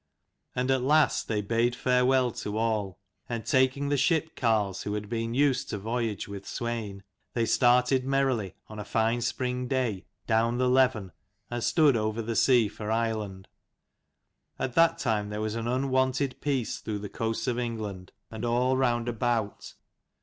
And at last they bade farewell to all, and taking the shipcarles who had been used to voyage with Swein, they started merrily on a fine spring day, down the Leven, and stood over the sea for Ireland. At that time there was an unwonted peace through the coasts of England and all round about.